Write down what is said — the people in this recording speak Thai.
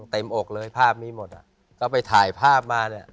อกเลยภาพนี้หมดอ่ะก็ไปถ่ายภาพมาเนี่ย